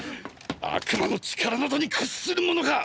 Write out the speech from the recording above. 悪魔の力などに屈するものか！！